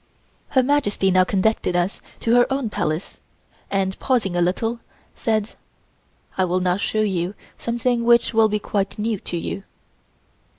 Her Majesty now conducted us to her own Palace, and pausing a little said: "I will now show you something which will be quite new to you."